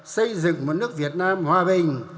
xây dựng một nước việt nam hòa bình